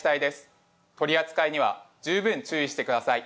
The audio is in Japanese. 取りあつかいには十分注意してください。